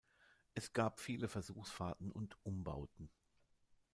Es gab viele Versuchsfahrten und Umbauten.